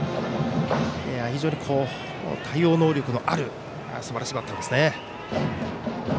非常に対応能力のあるすばらしいバッターですね。